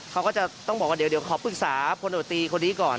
เขาก็จะต้องบอกว่าเดี๋ยวขอปรึกษาพลโดตีคนนี้ก่อน